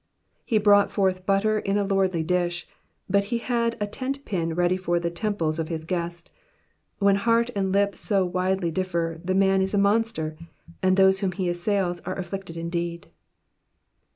'''' He brought forth butter in a lordly dish, but he had a tent pin ready for the temples of his guest. When heart and lip so widely differ, the man is a monster, and those whom he assails are aflSicted indeed.